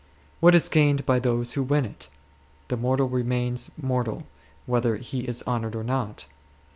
What is gained by those who win it? The mortal remains mortal whether he is honoured or not.